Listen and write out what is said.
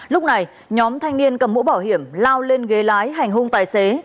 lúc này nhóm thanh niên cầm mũ bảo hiểm lao lên ghế lái hành hung tài xế